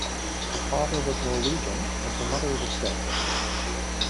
Her father was Norwegian, and her mother is Estonian.